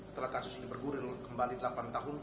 setelah kasus ini bergulir kembali delapan tahun